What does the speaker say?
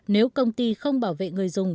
nếu công ty không bảo vệ người dùng